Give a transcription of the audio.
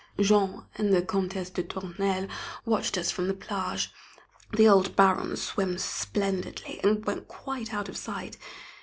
Jean and the Comtesse de Tournelle watched us from the plage. The old Baron swims splendidly, and went quite out of sight.